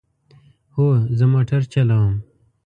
هو، زه موټر چلوم